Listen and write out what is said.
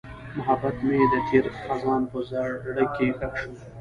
محبت مې د تېر خزان په زړه کې ښخ شو.